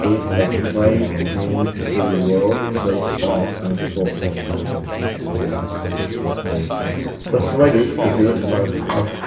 Also, villain Sebastian Shaw from the X-Men comics is named and modelled after Shaw.